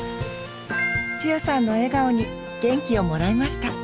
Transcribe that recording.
千代さんの笑顔に元気をもらいました。